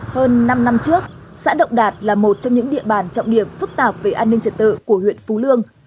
hơn năm năm trước xã động đạt là một trong những địa bàn trọng điểm phức tạp về an ninh trật tự của huyện phú lương